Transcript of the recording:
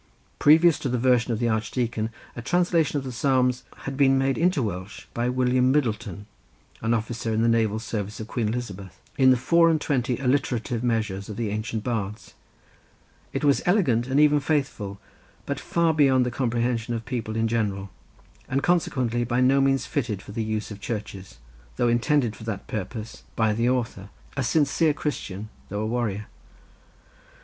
Previous to the version of the Archdeacon a translation of the Psalms had been made into Welsh by William Middleton, an officer in the naval service of Queen Elizabeth, in the four and twenty alliterative measures of the ancient bards. It was elegant and even faithful, but far beyond the comprehension of people in general, and consequently by no means fitted for the use of churches, though intended for that purpose by the author, a sincere Christian, though a warrior.